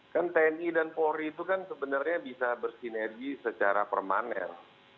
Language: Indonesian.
kan tni dan polri itu kan sebenarnya bisa bersinergi secara permanen